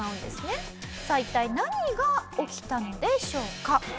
さあ一体何が起きたのでしょうか？